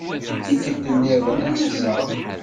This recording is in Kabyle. Tikkelt-nniḍen ad n-aseɣ.